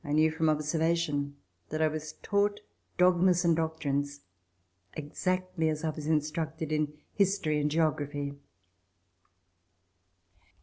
I knew from observation that I was taught dogmas and doctrines exactly as I was instructed in history and geography.